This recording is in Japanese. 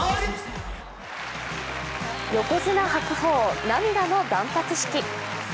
横綱・白鵬、涙の断髪式。